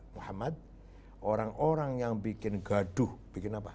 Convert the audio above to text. muhammad orang orang yang bikin gaduh bikin apa